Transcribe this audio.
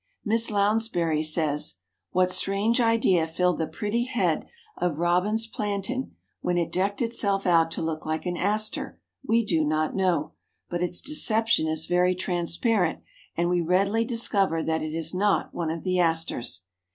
Miss Lounsberry says: "What strange idea filled the pretty head of Robin's Plantain when it decked itself out to look like an Aster we do not know, but its deception is very transparent and we readily discover that it is not one of the Asters."